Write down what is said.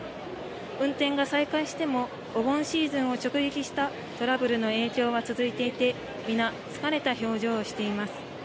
運転が再開してもお盆シーズンを直撃したトラブルの影響が続いていて皆、疲れた表情をしています。